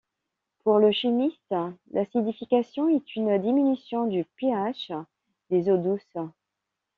Pour le chimiste, l'acidification est une diminution du pH des eaux douces.